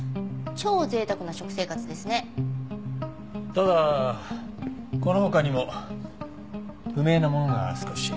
ただこの他にも不明なものが少し。